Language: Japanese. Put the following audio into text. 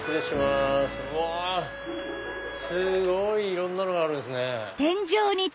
すごいいろんなのがあるんですね。